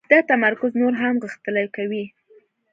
دا تمرکز نور هم غښتلی کوي.